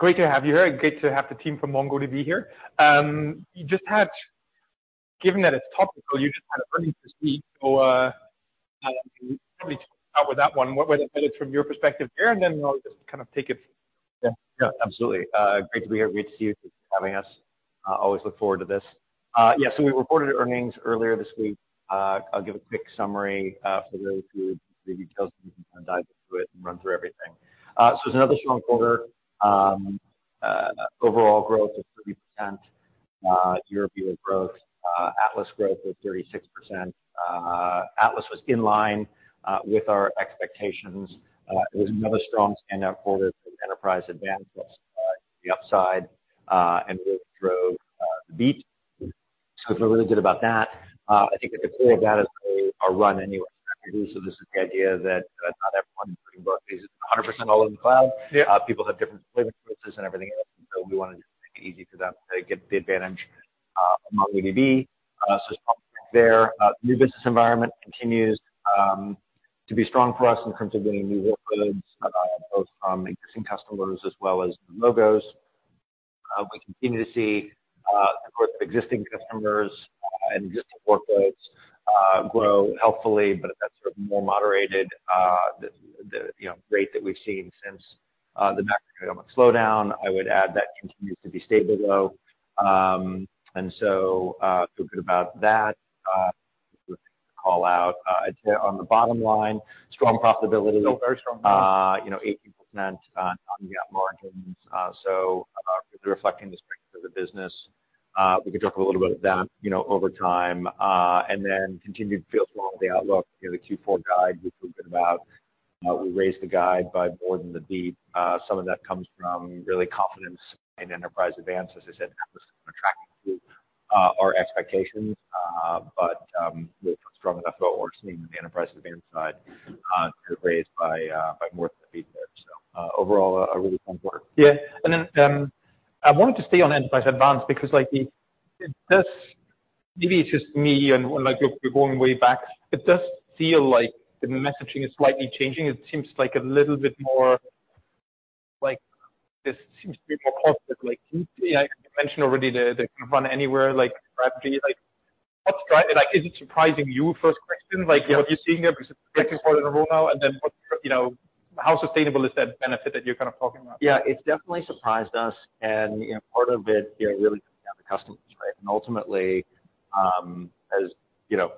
Great to have you here, great to have the team from MongoDB here. You just had, given that it's topical, you just had earnings this week, so, probably start with that one. What are the benefits from your perspective there, and then we'll just kind of take it? Yeah. Yeah, absolutely. Great to be here, great to see you. Thank you for having us. Always look forward to this. Yeah, so we reported earnings earlier this week. I'll give a quick summary, for those who the details, we can dive through it and run through everything. So it's another strong quarter. Overall growth of 30%, year-over-year growth. Atlas growth was 36%. Atlas was in line with our expectations. It was another strong stand-up quarter for Enterprise Advanced, the upside, and we drove the beat. So I feel really good about that. I think that the core of that is a run anywhere, so this is the idea that not everyone is 100% all in the cloud. Yeah. People have different preferences and everything else, so we wanted to make it easy for them to get the advantage of MongoDB. So the new business environment continues to be strong for us in terms of getting new workloads both from existing customers as well as new logos. We continue to see, of course, existing customers and existing workloads grow healthfully, but at that sort of more moderated, the you know, rate that we've seen since the macroeconomic slowdown. I would add that continues to be stable, though. And so feel good about that, call out on the bottom line, strong profitability. Oh, very strong. You know, 80% on the margins. So, reflecting the strength of the business, we can talk a little bit about that, you know, over time. And then continued to feel strong with the outlook. You know, the Q4 guide, which we've been about, we raised the guide by more than the beat. Some of that comes from really confidence in Enterprise Advanced. As I said, that was attracting to our expectations, but strong enough that we're seeing the Enterprise Advanced side raised by more than a beat there. So, overall, a really strong quarter. Yeah. And then, I wanted to stay on Enterprise Advanced because, like, it does, maybe it's just me and when, like, you're going way back, it does feel like the messaging is slightly changing. It seems like a little bit more, like, this seems to be more positive. Like, you mentioned already the run anywhere, like, practically, like, what's driving, like, is it surprising to you, first question? Yeah. Like, have you seen it? Because it's the second quarter in a row now, and then, what, you know, how sustainable is that benefit that you're kind of talking about? Yeah, it's definitely surprised us, and, you know, part of it, you know, really the customers, right? And ultimately, as you know,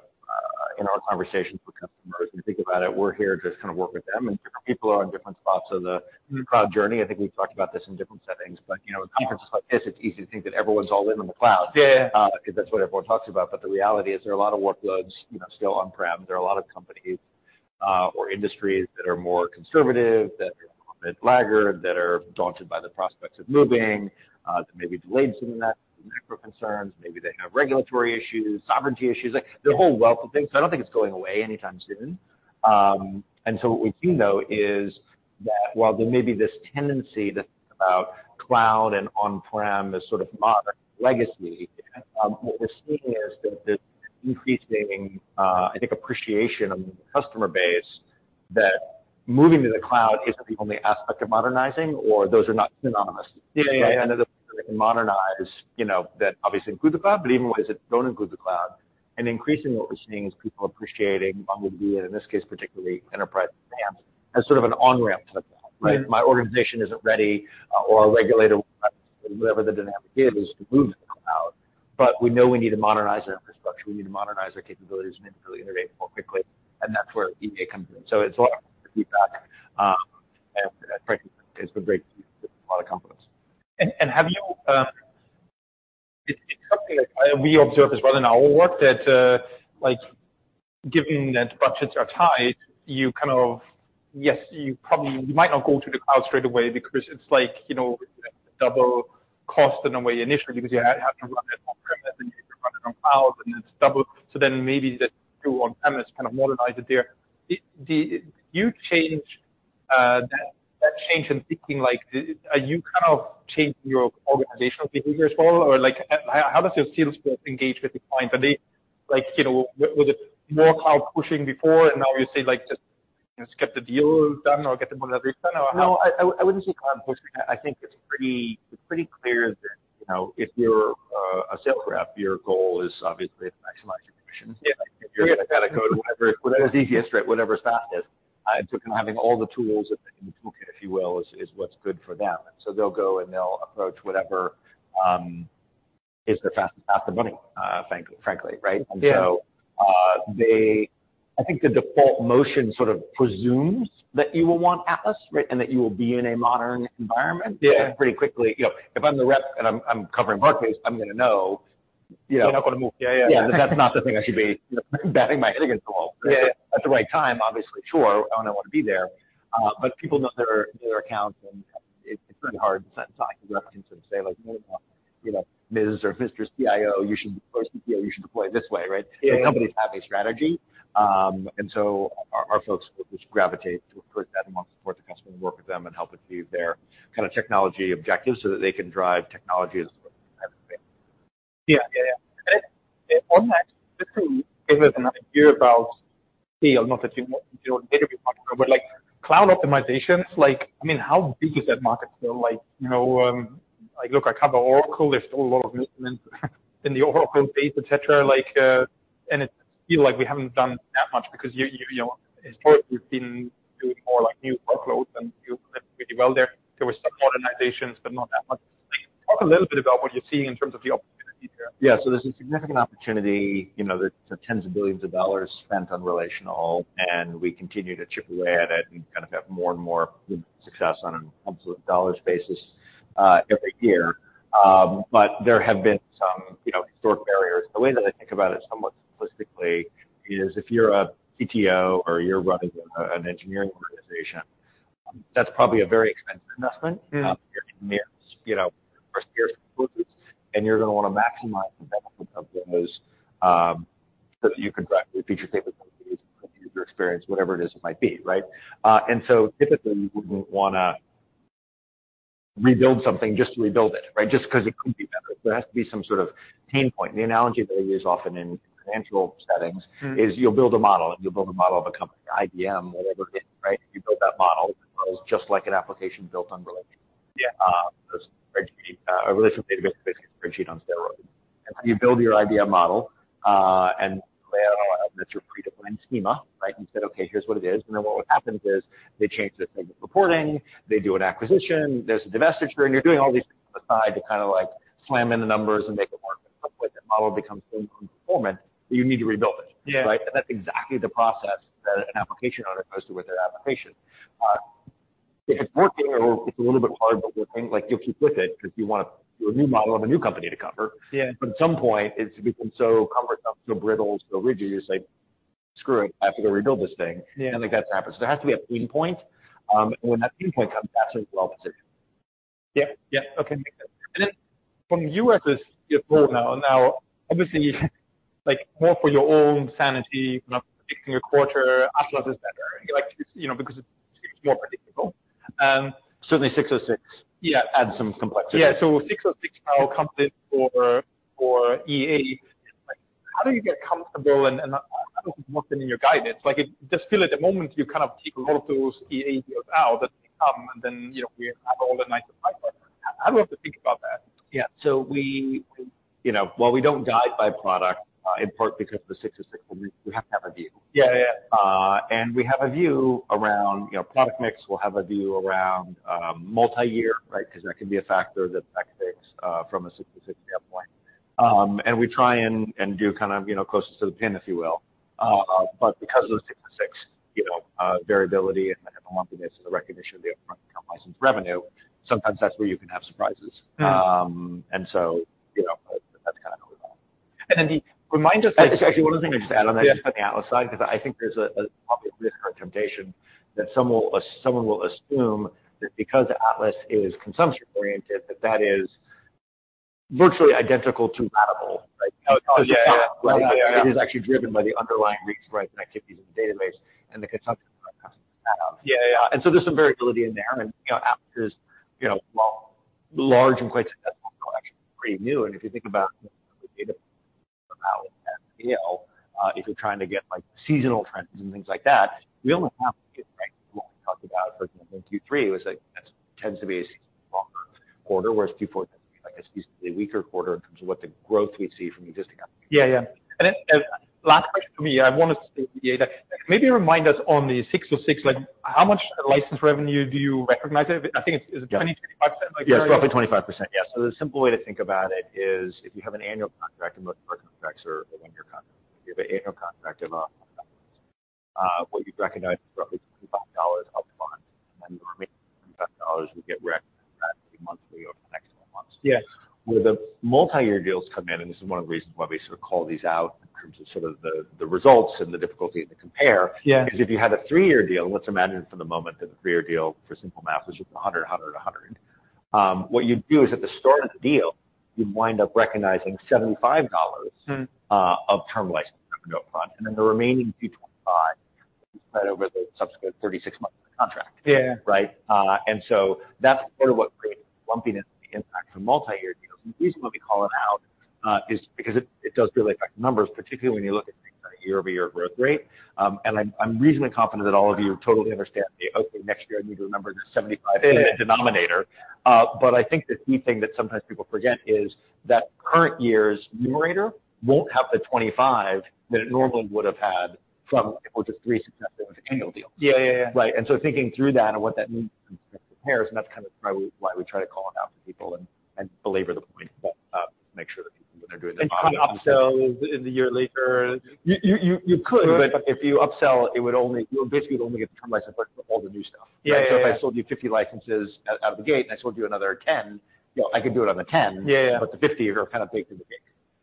in our conversations with customers, when you think about it, we're here to kind of work with them, and different people are on different spots of the cloud journey. I think we've talked about this in different settings, but, you know, conferences like this, it's easy to think that everyone's all in on the cloud. Yeah. Because that's what everyone talks about. But the reality is there are a lot of workloads, you know, still on-prem. There are a lot of companies, or industries that are more conservative, that are a bit laggard, that are daunted by the prospects of moving, that may be delayed some of that macro concerns. Maybe they have regulatory issues, sovereignty issues, like there's a whole wealth of things. So I don't think it's going away anytime soon. And so what we do know is that while there may be this tendency to think about cloud and on-prem as sort of modern legacy, what we're seeing is that there's increasing, I think, appreciation on the customer base, that moving to the cloud isn't the only aspect of modernizing or those are not synonymous. Yeah, yeah. Modernize, you know, that obviously include the cloud, but even ways that don't include the cloud. Increasingly, what we're seeing is people appreciating MongoDB, and in this case, particularly Enterprise Advanced, as sort of an on-ramp to the cloud, right? Mm-hmm. My organization isn't ready or regulated, whatever the dynamic is, to move to the cloud, but we know we need to modernize our infrastructure, we need to modernize our capabilities, and really innovate more quickly, and that's where EA comes in. So it's a lot of feedback, and it's been great, a lot of confidence. Have you... It's something that we observe as well in our work that, like, given that budgets are tight, you kind of, yes, you probably, you might not go to the cloud straight away because it's like, you know, double cost in a way, initially, because you have to run it on-premise, and you run it on cloud, and it's double. So then maybe the two on-premise kind of modernize it there. Did you change that change in thinking, like, you kind of changed your organizational behaviors for all? Or like, how does your sales force engage with the client? Are they like, you know, was it more cloud pushing before, and now you say, like, just, let's get the deal done or get them on another plan or how? No, I wouldn't say cloud pushing. I think it's pretty clear that, you know, if you're a sales rep, your goal is obviously to maximize your commissions. Yeah. You're going to go to whatever is easiest, right? Whatever's fastest. So having all the tools in the toolkit, if you will, is what's good for them. So they'll go and they'll approach whatever is the fastest path to money, frankly, right? Yeah. And so, I think the default motion sort of presumes that you will want Atlas, right? And that you will be in a modern environment. Yeah. Pretty quickly. You know, if I'm the rep and I'm covering marketplace, I'm gonna know, you know- You're not going to move. Yeah, yeah. Yeah, that's not the thing I should be batting my head against the wall. Yeah. At the right time, obviously, sure, I want to be there. But people know their accounts, and it's pretty hard to sit talking to reps and say, like, "You know what? You know, Ms. or Mr. CIO, you should, or CTO, you should deploy this way," right? Yeah. Companies have a strategy, and so our folks will just gravitate towards that and want to support the customer, and work with them, and help achieve their kind of technology objectives, so that they can drive technology as-... Yeah, yeah, yeah. And then, one last, just to give us an idea about sales, not that you want to do a data report, but like, cloud optimization, it's like, I mean, how big is that market still? Like, you know, like, look, I cover Oracle, there's a whole lot of movement in the Oracle space, et cetera. Like, and it feels like we haven't done that much because you know, historically, we've been doing more like new workloads, and you did pretty well there. There was some modernizations, but not that much. Talk a little bit about what you're seeing in terms of the opportunity here. Yeah, so there's a significant opportunity. You know, there's tens of billions of dollars spent on relational, and we continue to chip away at it and kind of have more and more success on an absolute dollar basis every year. But there have been some, you know, historic barriers. The way that I think about it, somewhat simplistically, is if you're a CTO or you're running an engineering organization, that's probably a very expensive investment. Mm-hmm. Your engineers, you know, your employees, and you're going to want to maximize the benefit of those, so that you can directly feature table, user experience, whatever it is it might be, right? And so typically, you wouldn't wanna rebuild something just to rebuild it, right? Just because it could be better. There has to be some sort of pain point. The analogy that I use often in financial settings- Mm-hmm. You'll build a model, and you'll build a model of a company, IBM, whatever, right? You build that model, just like an application built on relational. Yeah. A relational database, basically a spreadsheet on steroids. And so you build your IBM model, and lay out all out, that's your predefined schema, right? You said, "Okay, here's what it is." And then what would happens is they change the segment reporting, they do an acquisition, there's a divestiture, and you're doing all these things on the side to kind of like slam in the numbers and make it work. But quickly, that model becomes nonconformant, so you need to rebuild it. Yeah. Right? And that's exactly the process that an application owner goes through with their application. If it's working or it's a little bit hard, but working, like you'll keep with it, because you want to do a new model of a new company to cover. Yeah. At some point, it's become so cumbersome, so brittle, so rigid, you're just like, "Screw it, I have to go rebuild this thing. Yeah. Like, that's happened. So there has to be a pain point, when that pain point comes, that's when you go off the decision. Yeah. Yeah, okay. And then from you as a CEO now, obviously, like, more for your own sanity, not predicting your quarter, Atlas is better. Like, you know, because it's more predictable. Certainly 606- Yeah. Adds some complexity. Yeah, so 606 now comes in for—for EA. How do you get comfortable? And—and I don't think more than in your guidance. Like, it just feel at the moment, you kind of keep a lot of those EA deals out, that they come, and then, you know, we have all the 95. How do you have to think about that? Yeah. So we, you know, while we don't guide by product, in part because of the 606, we, we have to have a view. Yeah, yeah, yeah. And we have a view around, you know, product mix. We'll have a view around multi-year, right? Because that can be a factor that affects from a 606 standpoint. And we try and do kind of, you know, closest to the pin, if you will. But because of the Six, you know, variability and the lumpiness and the recognition of the upfront license revenue, sometimes that's where you can have surprises. Mm. You know, that's kind of where we are. And then remind us- Actually, one other thing I just add on that, just on the Atlas side, because I think there's an obvious risk or temptation that some will, someone will assume that because Atlas is consumption-oriented, that that is virtually identical to ratable, right? Yeah, yeah. It is actually driven by the underlying reads, writes, and activities in the database and the consumption. Yeah, yeah. And so there's some variability in there, and, you know, Atlas is, you know, while large and quite successful, actually pretty new. And if you think about, you know, data, if you're trying to get, like, seasonal trends and things like that, we only have to get right. What we talked about, for example, in Q3, was like, that tends to be a longer quarter, whereas Q4 tends to be like a seasonally weaker quarter in terms of what the growth we see from the existing company. Yeah, yeah. And then, last question for me, I want to say data. Maybe remind us on the 606, like, how much license revenue do you recognize it? I think it's 25%? Yes, roughly 25%. Yeah, so the simple way to think about it is if you have an annual contract, and most of our contracts are one-year contracts. If you have an annual contract of what you'd recognize, roughly $25 upfront, and the remaining $25 would get recognized monthly over the next four months. Yeah. Where the multi-year deals come in, and this is one of the reasons why we sort of call these out in terms of sort of the results and the difficulty to compare- Yeah. because if you had a three-year deal, let's imagine for the moment that the three-year deal for simple math, which is 100, 100, 100. What you'd do is, at the start of the deal, you'd wind up recognizing $75- Mm. of Term License upfront, and then the remaining 2.5 spread over the subsequent 36 months of the contract. Yeah. Right? And so that's sort of what creates the lumpiness of the impact from multi-year deals. And the reason why we call it out is because it does really affect the numbers, particularly when you look at year-over-year growth rate. And I'm reasonably confident that all of you totally understand. Okay, next year, I need to remember the 75- Yeah -denominator. But I think the key thing that sometimes people forget is that current year's numerator won't have the 25 that it normally would have had from what was just three successive annual deals. Yeah, yeah, yeah. Right. And so thinking through that and what that means compares, and that's kind of why we, why we try to call them out to people and, and belabor the point, make sure that people, when they're doing their- You upsell in the year later. You could, but if you upsell, it would only... You basically would only get the term license for all the new stuff. Yeah. So if I sold you 50 licenses out of the gate, and I sold you another 10, you know, I could do it on the 10. Yeah, yeah. But the 50 are kind of baked in the cake.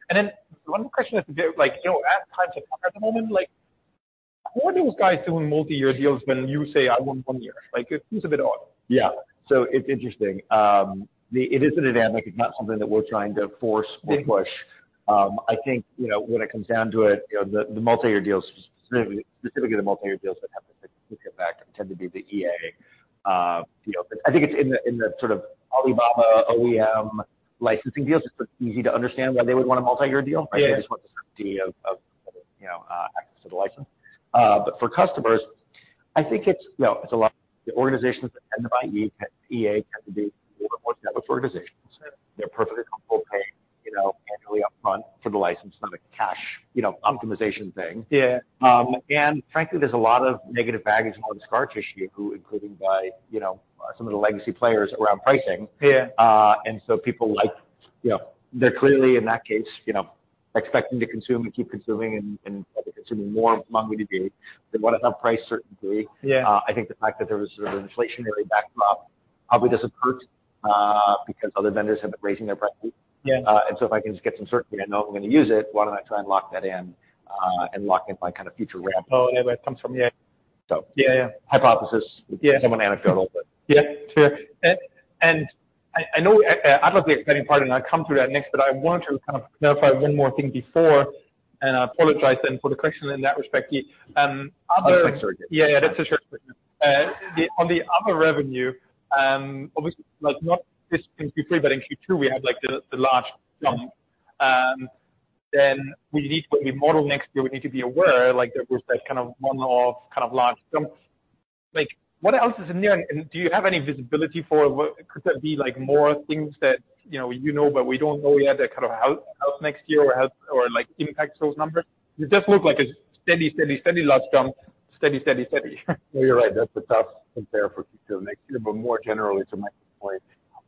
And then one more question, like, you know, at times like at the moment, like, what are those guys doing multi-year deals when you say, I want one year? Like, it seems a bit odd. Yeah. So it's interesting. It isn't an ad, like, it's not something that we're trying to force or push. I think, you know, when it comes down to it, you know, the multi-year deals, specifically the multi-year deals that happen—we get back and tend to be the EA deal. But I think it's in the, in the sort of Alibaba OEM licensing deals, it's just easy to understand why they would want a multi-year deal. Yeah. They just want the certainty of you know access to the license. But for customers, I think it's you know it's a lot, the organizations that tend to buy EA tend to be a little bit more established organizations. They're perfectly comfortable paying you know annually upfront for the license, not a cash you know optimization thing. Yeah. Frankly, there's a lot of negative baggage and a lot of scar tissue, including by, you know, some of the legacy players around pricing. Yeah. People like, you know, they're clearly, in that case, you know, expecting to consume and keep consuming and consuming more MongoDB. They want it at that price, certainly. Yeah. I think the fact that there was sort of an inflationary backdrop probably doesn't hurt, because other vendors have been raising their prices. Yeah. And so if I can just get some certainty, I know I'm going to use it. Why don't I try and lock that in, and lock in my kind of future ramp? Oh, and where it comes from, yeah. So. Yeah, yeah. Hypothesis. Yeah. Somewhat anecdotal, but. Yeah, sure. I know I love the exciting part, and I'll come to that next, but I wanted to kind of clarify one more thing before, and I apologize then for the question in that respect. Other- That's very good. Yeah, yeah. That's for sure. On the other revenue, obviously, like, not just in Q3, but in Q2, we had, like, the large jump. Then we need to put a new model next year. We need to be aware, like, that there's that kind of one-off, kind of large jump. Like, what else is in there? And do you have any visibility for what could that be like more things that, you know, you know, but we don't know yet that kind of out next year or have, or, like, impact those numbers? It does look like a steady, steady, steady large jump. Steady, steady, steady. No, you're right. That's a tough compare for Q2 next year. But more generally, to my point,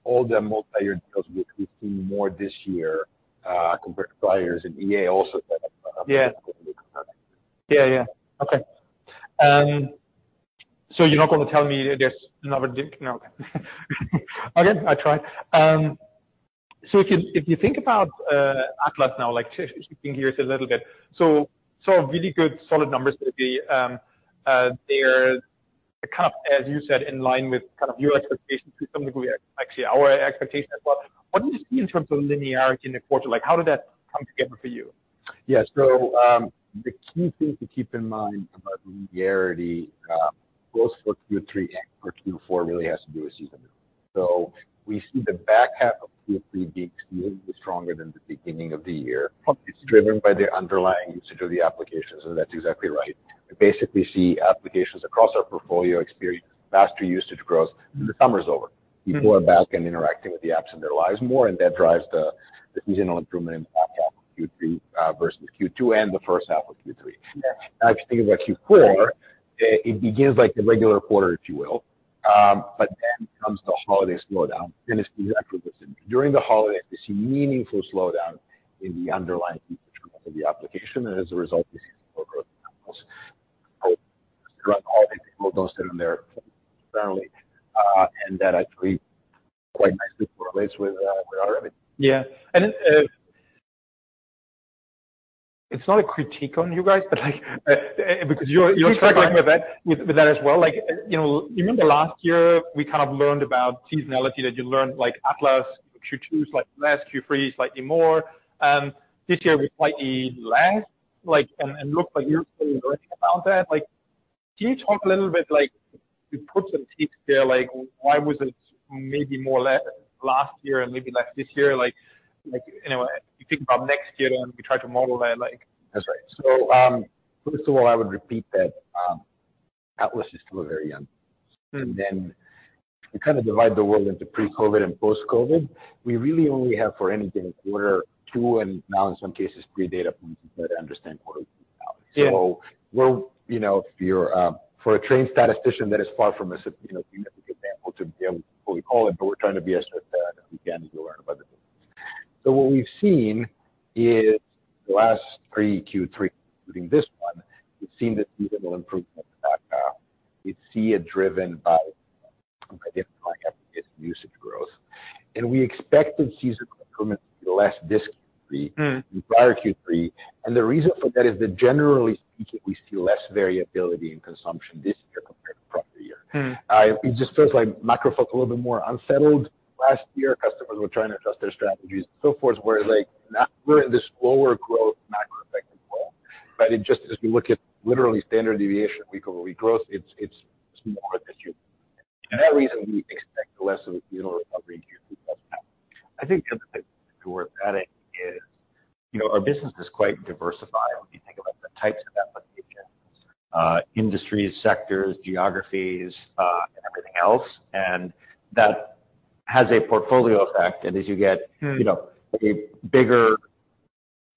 all the multi-year deals, which we've seen more this year, compared to buyers and EA also- Yeah. Yeah, yeah. Okay. So you're not going to tell me there's another jinx? No. Okay, I tried. So if you, if you think about, Atlas now, like, speaking here a little bit, so, so really good solid numbers maybe. They're kind of, as you said, in line with kind of your expectations to some degree, actually our expectations as well. What do you see in terms of linearity in the quarter? Like, how did that come together for you? Yeah. So, the key thing to keep in mind about linearity, both for Q3 and for Q4, really has to do with seasonality. So we see the back half of Q3 being usually stronger than the beginning of the year. Okay. It's driven by the underlying usage of the application. That's exactly right. We basically see applications across our portfolio experience, faster usage growth when the summer is over. Mm-hmm. People are back and interacting with the apps in their lives more, and that drives the seasonal improvement in the back half of Q3 versus Q2 and the first half of Q3. Yeah. Now, if you think about Q4- Right. It begins like the regular quarter, if you will, but then comes the holiday slowdown, and it's exactly the same. During the holidays, we see meaningful slowdown in the underlying usage of the application, and as a result, we see slow growth across all holiday periods, those that are there, apparently, and that actually quite nicely correlates with our revenue. Yeah. And, it's not a critique on you guys, but, like, because you're- Sure. With that as well. Like, you know, you remember last year, we kind of learned about seasonality, that you learned, like, Atlas, Q2 is like less, Q3 is slightly more. This year was slightly less, like, and looks like you're still learning about that. Like, can you talk a little bit, like, you put some teeth there, like, why was it maybe more less last year and maybe less this year? Like, anyway, you think about next year, and we try to model that, like... That's right. First of all, I would repeat that, Atlas is still very young. Mm. And then we kind of divide the world into pre-COVID and post-COVID. We really only have, for anything, quarter two, and now in some cases, three data points to try to understand quarterly. Yeah. So we're, you know, if you're, for a trained statistician, that is far from a significant example to be able to call it, but we're trying to be as strict as we can as we learn about the business. So what we've seen is the last three Q3, including this one, we've seen the seasonal improvement back up. We see it driven by again, like I said, usage growth, and we expected seasonal improvement to be less this Q3. Mm. - than prior Q3. The reason for that is that generally speaking, we see less variability in consumption this year compared to prior year. Mm. It just feels like macro felt a little bit more unsettled last year. Customers were trying to adjust their strategies and so forth, where like now we're in this slower growth, macro effective growth. But it just, as we look at literally standard deviation, week-over-week growth, it's smaller this year. For that reason, we expect less of a recovery here. I think the other thing worth adding is, you know, our business is quite diversified when you think about the types of applications, industries, sectors, geographies, and everything else, and that has a portfolio effect. And as you get- Mm. You know, a bigger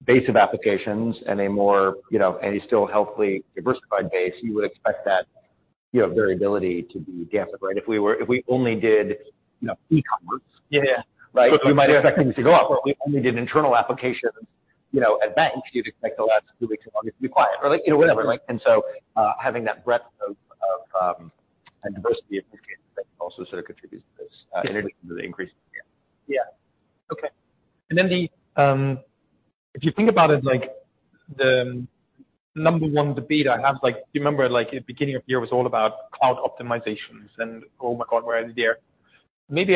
base of applications and a more, you know, and a still healthily diversified base, you would expect that, you know, variability to be dampened, right? If we only did, you know, e-commerce- Yeah. Right? We might expect things to go up, or we only did internal applications, you know, at that. You could expect the last two weeks of August to be quiet or, like, you know, whatever, like. Right. And so, having that breadth of, of, and diversity of applications also sort of contributes to this- Yeah. - increase. Yeah. Okay. And then the, if you think about it, like, the number one debate I have, like, remember, like, at the beginning of the year, was all about cloud optimizations and, oh, my God, we're already there.... Maybe,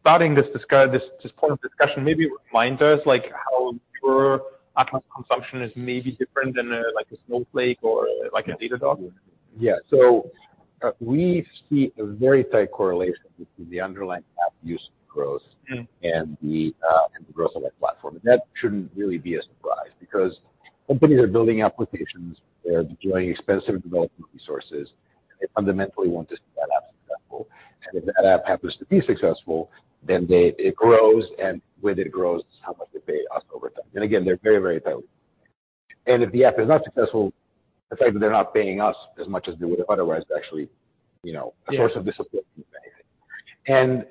starting this point of discussion, maybe remind us, like, how your Atlas consumption is maybe different than, like a Snowflake or like a Datadog? Yeah. So, we see a very tight correlation between the underlying app use growth- Mm-hmm. and the growth of that platform. And that shouldn't really be a surprise, because companies are building applications, they're deploying expensive development resources, and they fundamentally want to see that app successful. And if that app happens to be successful, then they—it grows, and with it grows, how much they pay us over time. And again, they're very, very tightly. And if the app is not successful, the fact that they're not paying us as much as they would have otherwise, is actually, you know— Yeah a source of discipline. And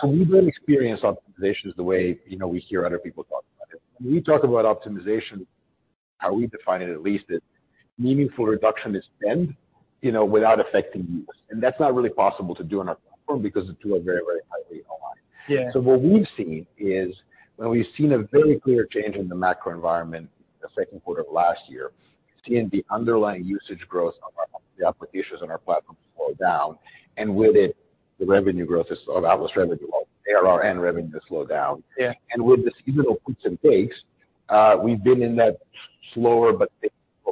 so we don't experience optimizations the way, you know, we hear other people talk about it. When we talk about optimization, how we define it at least, is meaningful reduction in spend, you know, without affecting use. And that's not really possible to do on our platform because the two are very, very highly aligned. Yeah. What we've seen is, when we've seen a very clear change in the macro environment, the second quarter of last year, seeing the underlying usage growth of our, the applications on our platform slow down, and with it, the revenue growth, or Atlas revenue, ARR and revenue slow down. Yeah. With the seasonal puts and takes, we've been in that slower, but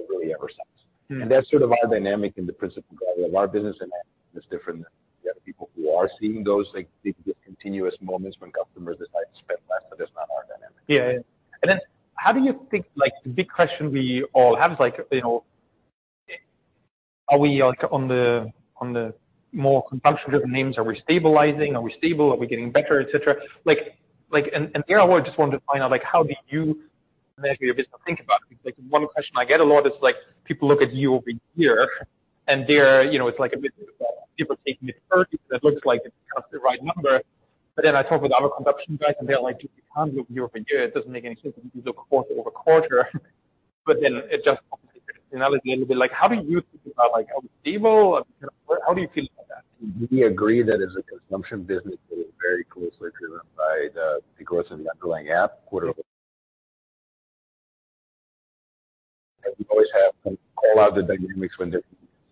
really ever since. Mm. That's sort of our dynamic and the Principal driver of our business, and that is different than the other people who are seeing those, like, big continuous moments when customers decide to spend less, but that's not our dynamic. Yeah. And then how do you think, like, the big question we all have is, like, you know, are we, like, on the, on the more consumption-driven names, are we stabilizing? Are we stable? Are we getting better, et cetera? Like, like, and, and here I just wanted to find out, like, how do you manage your business, think about it. Like, one question I get a lot is, like, people look at year-over-year, and they're, you know, it's like a bit people taking it first. It looks like it's the right number, but then I talk with other consumption guys, and they're like, "You can't look year-over-year, it doesn't make any sense. You look quarter-over-quarter." But then it just... And I was a little bit like, how do you think about, like, are we stable? How do you feel about that? We agree that as a consumption business, we're very closely driven by the growth of the underlying app quarterly. We always have some call out the dynamics when they're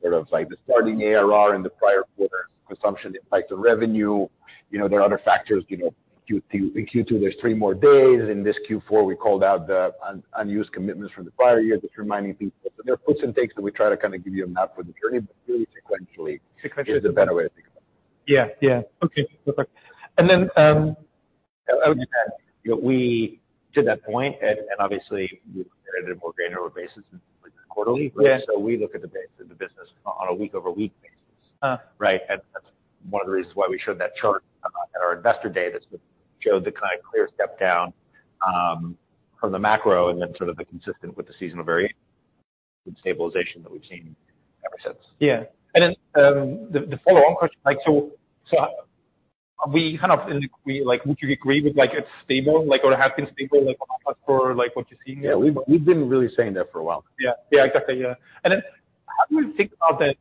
sort of like the starting ARR in the prior quarter. Consumption, impact to revenue, you know, there are other factors, you know, Q2, in Q2, there's three more days. In this Q4, we called out the unused commitments from the prior year, just reminding people. So there are puts and takes, so we try to kind of give you a map for the journey, but really, sequentially- Sequentially. is a better way to think about it. Yeah, yeah. Okay, perfect. And then, I would just add to that point, and obviously we look at it a more granular basis than quarterly. Yeah. We look at the base of the business on a week-over-week basis. Uh. Right? And that's one of the reasons why we showed that chart at our Investor Day, that showed the kind of clear step down from the macro, and then sort of the consistent with the seasonal variation, with stabilization that we've seen ever since. Yeah. And then, the follow-on question, like, so, so are we kind of in the, like, would you agree with, like, it's stable, like, or have been stable, like, for, like, what you're seeing there? Yeah, we've been really saying that for a while. Yeah. Yeah, exactly, yeah. And then how do you think about that,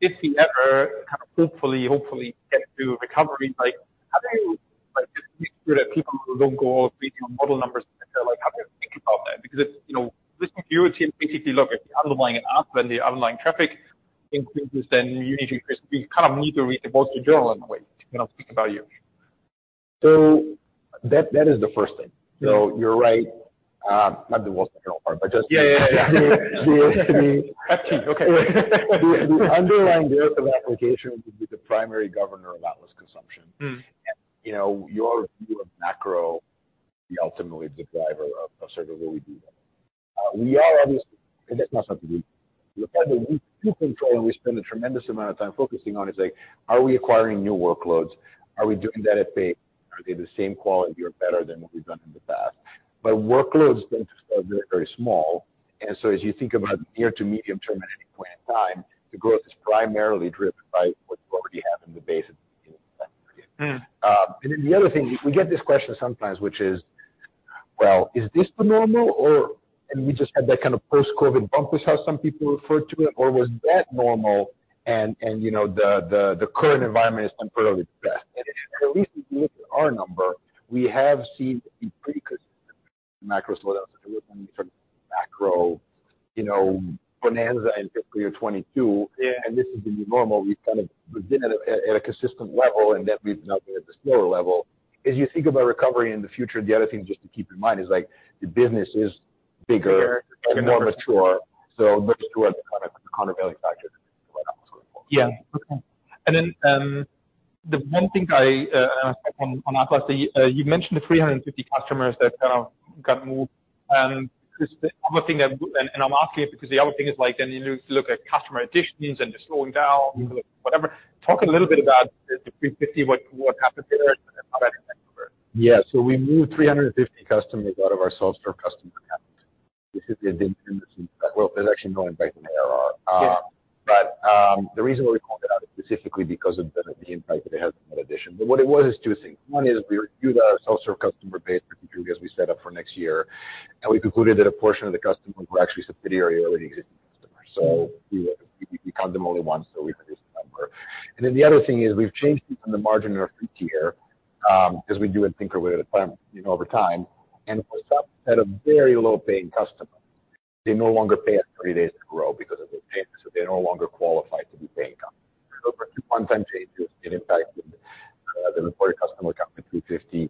if we ever, kind of hopefully, hopefully get to a recovery, like, how do you, like, just make sure that people don't go off based on model numbers, like, how they think about that? Because it's, you know, this security basically look at the underlying app, when the underlying traffic increases, then you need to, you kind of need to read the Wall Street Journal in a way, you know, think about you. That, that is the first thing. Mm. So you're right, not the Wall Street Journal part, but just- Yeah, yeah. -the, the- FT. Okay. The underlying growth of applications would be the primary governor of Atlas consumption. Mm. You know, your view of macro will be ultimately the driver of sort of the way we do that. We are obviously, and that's not something we, the part that we do control, and we spend a tremendous amount of time focusing on, is like, are we acquiring new workloads? Are we doing that at pace? Are they the same quality or better than what we've done in the past? But workloads, they start very, very small, and so as you think about near to medium term, at any point in time, the growth is primarily driven by what you already have in the base. Mm. And then the other thing, we get this question sometimes, which is: Well, is this the normal or... And we just had that kind of post-COVID bump, which is how some people refer to it, or was that normal and you know, the current environment is temporarily back? And at least if you look at our number, we have seen a pretty consistent macro sort out macro, you know, Bonanza in fiscal year 2022. Yeah. This is the new normal. We've kind of been at a consistent level, and then we've now been at the slower level. As you think about recovery in the future, the other thing just to keep in mind is, like, the business is bigger- Bigger. and more mature, so much more kind of countervailing factor. Yeah. Okay. And then, the one thing I on Atlas, you've mentioned the 350 customers that got moved. And the other thing that, and I'm asking it, because the other thing is like, then you look at customer additions, and they're slowing down- Mm-hmm. or whatever. Talk a little bit about the 350, what happened there and how that impact over? Yeah. So we moved 350 customers out of our self-serve customer account. This is the... Well, there's actually no impact on the ARR. Yeah. But the reason why we called it out is specifically because of the impact that it has on net addition. But what it was, is two things. One is we reviewed our self-serve customer base, as we set up for next year, and we concluded that a portion of the customers were actually subsidiary or existing customers. So we count them only once, so we reduced the number. And then the other thing is, we've changed it from the margin of our free tier, as we do and think about it, you know, over time, and we stopped at a very low-paying customer. They no longer pay us 30 days to grow because of the change, so they're no longer qualified to be paying customers. So for one-time changes, it impacted the reported customer account to 350.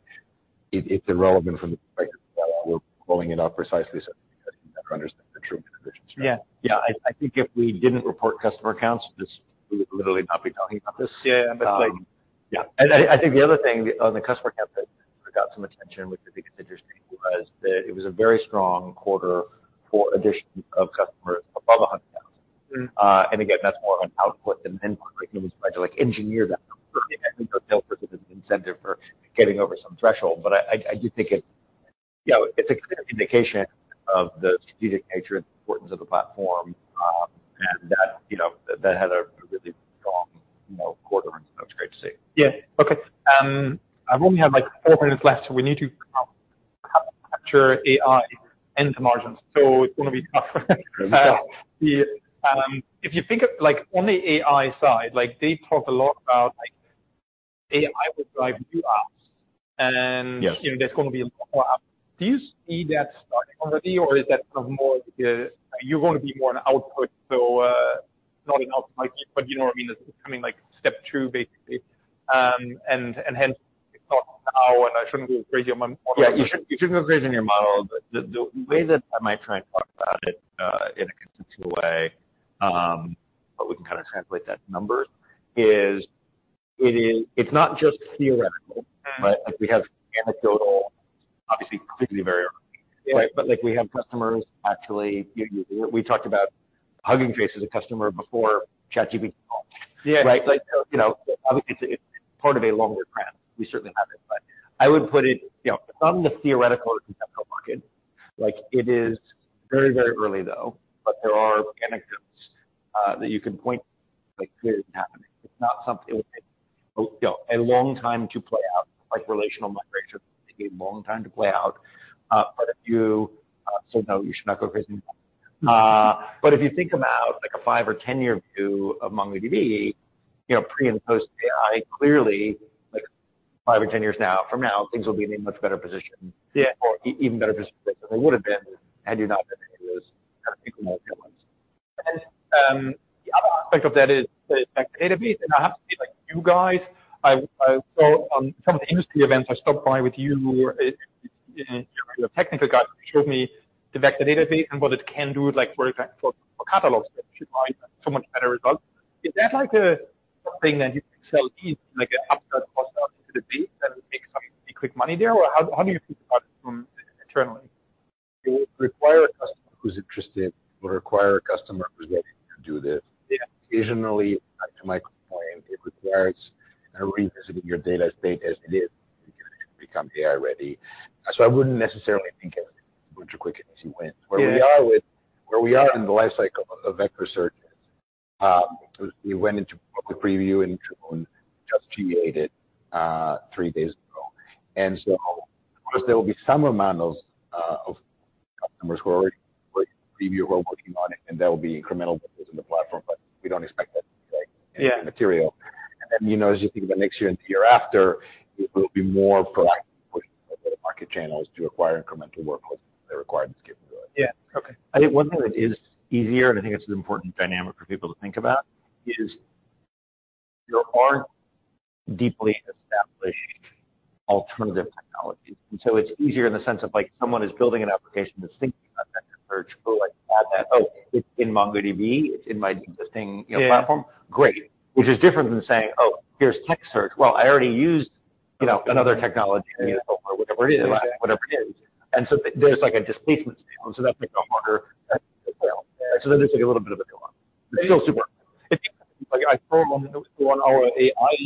It's irrelevant from the perspective that we're calling it out precisely so that you guys can understand the true conditions. Yeah. Yeah, I think if we didn't report customer accounts, this. We would literally not be talking about this. Yeah, but like- Yeah. I think the other thing on the customer count that got some attention, which I think is interesting, was that it was a very strong quarter for addition of customers above 100,000. Mm. And again, that's more on output than input. Like, it was like engineered output. I think there's an incentive for getting over some threshold, but I do think it, you know, it's a clear indication of the strategic nature and importance of the platform, and that, you know, that had a really strong, you know, quarter, and so it's great to see. Yeah. Okay, I've only have, like, four minutes left, so we need to capture AI into margins. So it's gonna be tough. It's gonna be tough. Yeah, if you think of, like, on the AI side, like, they talk a lot about, like, AI will drive new apps, and- Yes... you know, there's gonna be a lot more apps. Do you see that starting already, or is that more the, you're gonna be more on output, so, not enough, like, but you know what I mean? It's becoming, like, step two, basically. And hence, it's not now, and I shouldn't go crazy on my model. Yeah, you should, you shouldn't go crazy on your model, but the way that I might try and talk about it in a consistent way, but we can kinda translate that to numbers; it's not just theoretical- Mm. But, like, we have anecdotal, obviously, completely very early. Yeah. Right? But like we have customers, actually, you, you—we talked about Hugging Face as a customer before ChatGPT at all. Yeah. Right? Like, you know, obviously, it's, it's part of a longer trend. We certainly have it, but I would put it, you know, on the theoretical conceptual market. Like, it is very, very early though, but there are anecdotes that you can point, like, clearly it's happening. It's not something, you know, a long time to play out, like relational migration; it took a long time to play out, but if you, so no, you should not go crazy. But if you think about, like, a five- or 10-year view of MongoDB, you know, pre- and post-AI, clearly, like five or 10 years now, from now, things will be in a much better position. Yeah. Or even better position than they would have been had it not been any of those kind of incremental ones. The other aspect of that is like database, and I have to be like you guys. Well, on some of the industry events, I stopped by with you, and your technical guy showed me the vector database and what it can do, like, for example, for catalogs, which provide so much better results. Is that, like, a thing that you can sell easily, like an upside cross-sell into the base that would make some quick money there? Or how do you think about it from internally? It would require a customer who's interested. It would require a customer who's ready to do this. Yeah, occasionally, to my point, it requires a revisiting your data state as it is to become AI-ready. So I wouldn't necessarily think of it as a bunch of quick and easy wins. Yeah. Where we are in the life cycle of Vector Search, we went into Public Preview in June, just GA'd it three days ago. And so, of course, there will be some amount of customers who are already preview, who are working on it, and there will be incremental builds in the platform, but we don't expect that to be, like- Yeah... material. And then, you know, as you think about next year and the year after, it will be more proactive, pushing the go-to-market channels to acquire incremental workloads that require this capability. Yeah. Okay. I think one thing that is easier, and I think it's an important dynamic for people to think about, is there are deeply established alternative technologies, and so it's easier in the sense of, like, someone is building an application that's thinking about that search who, like, add that, "Oh, it's in MongoDB, it's in my existing, you know, platform. Great. Yeah. Which is different than saying, "Oh, here's Vector Search. Well, I already used, you know, another technology, whatever it is, whatever it is. Yeah. And so there's, like, a displacement scale, so that makes it harder to fail. Yeah. So there's like a little bit of a going on. It's still super. Like, I saw on our AI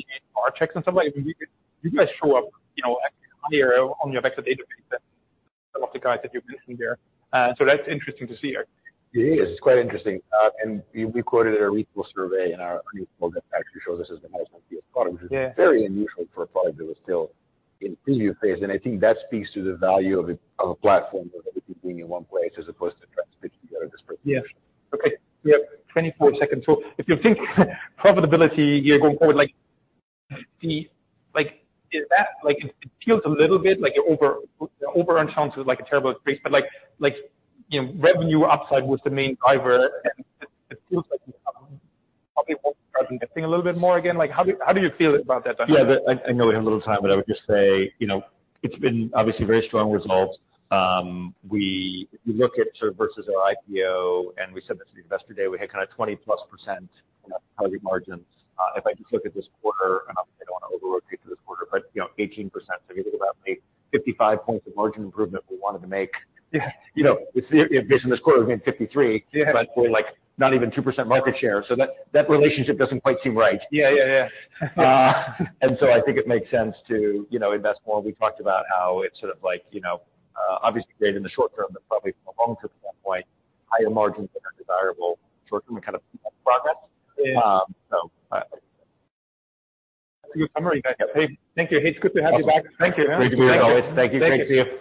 checks and somebody, you guys show up, you know, higher on your vector database than some of the guys that you've mentioned there. So that's interesting to see. It is quite interesting, and we quoted a recent survey in our new blog that actually shows this is the highest rated product- Yeah... which is very unusual for a product that was still in preview phase, and I think that speaks to the value of a platform with everything being in one place as opposed to trying to piece together this prediction. Yeah. Okay, we have 24 seconds, so if you think, profitability here going forward, like, the, like. It feels a little bit like you're over, overenthused is, like, a terrible phrase, but like, like, you know, revenue upside was the main driver, and it, it feels like probably won't be investing a little bit more again. Like, how do, how do you feel about that? Yeah, I know we have a little time, but I would just say, you know, it's been obviously very strong results. We, if you look at sort of versus our IPO, and we said this in Investor Day, we had kinda 20%+ profit margins. If I just look at this quarter, and I don't want to over-rotate to this quarter, but, you know, 18%. So if you think about the 55 points of margin improvement we wanted to make- Yeah... you know, in this quarter, we made 53%. Yeah. But we're, like, not even 2% market share, so that relationship doesn't quite seem right. Yeah, yeah, yeah. and so I think it makes sense to, you know, invest more. We talked about how it's sort of like, you know, obviously, Dave, in the short term, but probably long term, at some point, higher margins are desirable, short-term kind of progress. Yeah. So. Summary, hey, thank you. It's good to have you back. Thank you. Thank you. Thank you. Thanks. See you.